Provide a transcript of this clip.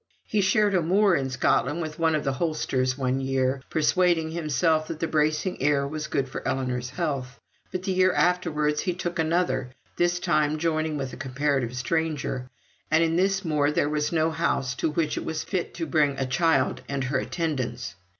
He shared a moor in Scotland with one of the Holsters one year, persuading himself that the bracing air was good for Ellinor's health. But the year afterwards he took another, this time joining with a comparative stranger; and on this moor there was no house to which it was fit to bring a child and her attendants.